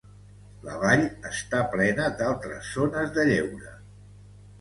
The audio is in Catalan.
La vall està plena d"altres zones de lleure.